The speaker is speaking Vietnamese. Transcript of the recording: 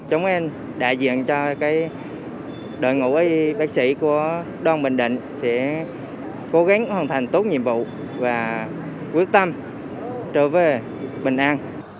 chúng em đại diện cho đội ngũ bác sĩ của đoan bình định sẽ cố gắng hoàn thành tốt nhiệm vụ và quyết tâm trở về bình an